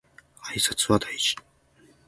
挨拶は大事